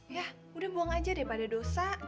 yah udah buang aja deh pada dosa